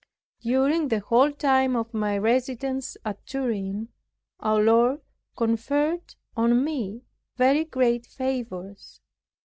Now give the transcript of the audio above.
During the whole time of my residence at Turin, our Lord conferred on me very great favors.